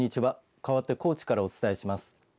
かわって高知からお伝えします。